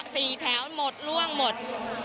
สี่แถวหมดล่วงหมด